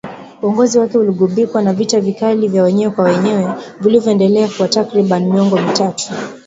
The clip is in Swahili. Uongozi wake uligubikwa na vita vikali vya wenyewe kwa wenyewe vilivyoendelea kwa takriban miongo mitatu